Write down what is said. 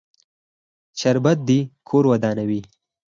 شربت د کور ودانوي